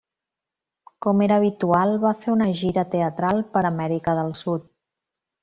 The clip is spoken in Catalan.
Com era habitual, va fer una gira teatral per Amèrica del Sud.